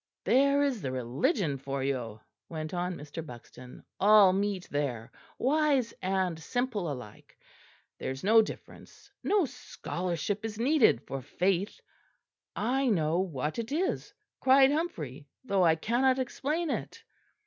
There is the Religion for you!" went on Mr. Buxton; "all meet there, wise and simple alike. There is no difference; no scholarship is needed for faith. 'I know what it is,' cried Humphrey, 'though I cannot explain it!'"